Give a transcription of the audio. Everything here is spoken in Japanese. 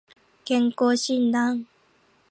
健康診断